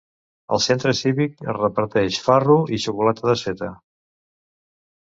Al Centre Cívic es reparteix farro i xocolata desfeta.